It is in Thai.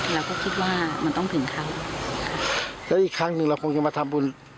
เราก็คิดว่ามันต้องถึงเขาแล้วอีกครั้งหนึ่งเราคงจะมาทำบุญ